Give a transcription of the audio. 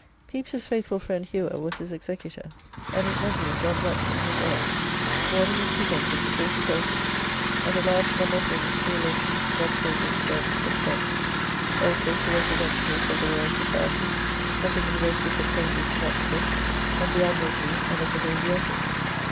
Pepys's faithful friend, Hewer, was his executor, and his nephew, John Jackson, his heir. Mourning was presented to forty persons, and a large number of rings to relations, godchildren, servants, and friends, also to representatives of the Royal Society, of the Universities of Cambridge and Oxford, of the Admiralty, and of the Navy Office.